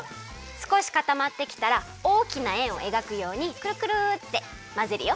すこしかたまってきたらおおきなえんをえがくようにくるくるってまぜるよ。